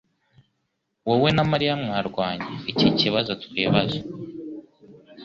Wowe na mariya mwarwanye ikiikibazo twibaza